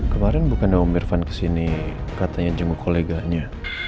kemarin bukannya om irvan kesini katanya cenguk koleganya